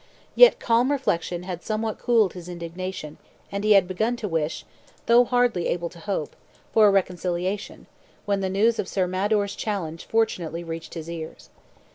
Yet calm reflection had somewhat cooled his indignation, and he had begun to wish, though hardly able to hope, for a reconciliation when the news of Sir Mador's challenge fortunately reached his ears.